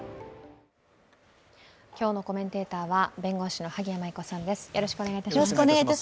今日のコメンテーターは弁護士の萩谷麻衣子さんです。